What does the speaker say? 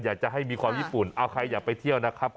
อยากจะให้มีความญี่ปุ่นเอาใครอยากไปเที่ยวนะครับ